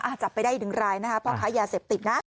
อาจจะไปได้หนึ่งรายนะคะเพราะขายยาเสพติดนะ